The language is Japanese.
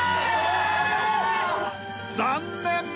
［残念！